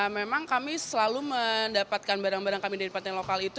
memang kami selalu mendapatkan barang barang kami dari pantai lokal itu